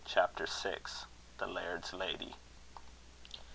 CHAPTER VI. THE LAIRD'S LADY.